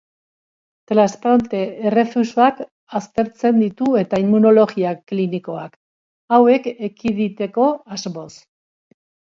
Transplante-errefusak aztertzen ditu ere immunologia klinikoak, hauek ekiditeko asmoz.